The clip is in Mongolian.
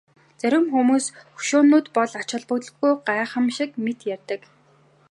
Зарим хүмүүс хөшөөнүүд бол ач холбогдолгүй гайхамшиг мэт ярьдаг.